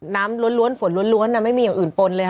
ล้วนฝนล้วนไม่มีอย่างอื่นปนเลยค่ะ